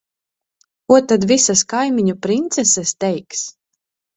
Ko tad visas kaimiņu princeses teiks?